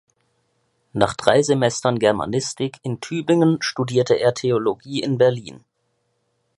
Nach drei Semestern Germanistik in Tübingen studierte er Theologie in Berlin.